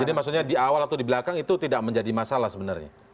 jadi maksudnya di awal atau di belakang itu tidak menjadi masalah sebenarnya